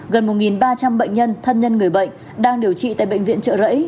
gần một ba trăm linh bệnh nhân thân nhân người bệnh đang điều trị tại bệnh viện trợ rẫy